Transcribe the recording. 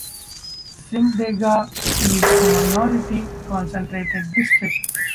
Simdega is a minority concentrated district.